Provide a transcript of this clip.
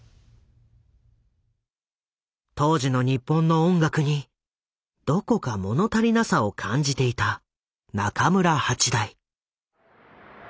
当時の日本の音楽にどこか物足りなさを感じていた中村八大。